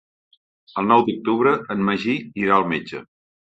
El nou d'octubre en Magí irà al metge.